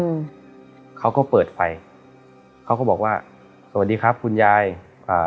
อืมเขาก็เปิดไฟเขาก็บอกว่าสวัสดีครับคุณยายอ่า